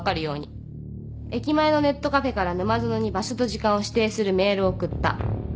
駅前のネットカフェから沼園に場所と時間を指定するメールを送った。